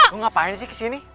lo ngapain sih kesini